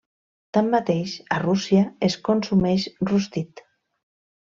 Tanmateix, a Rússia es consumeix rostit.